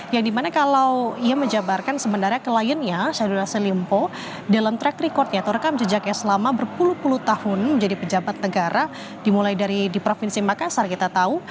yang dimana kalau ia menjabarkan sebenarnya kliennya syahrul yassin limpo dalam track recordnya atau rekam jejaknya selama berpuluh puluh tahun menjadi pejabat negara dimulai dari di provinsi makassar kita tahu